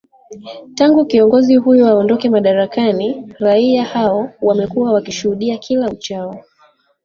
tangu kiongozi huyo aondoke madarakani raia hao wamekuwa wakishuhudia kila uchao